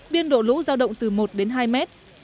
biên độ lũ giao động từ một đến hai mét